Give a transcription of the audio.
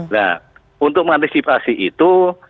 nah untuk mengantisipasi itu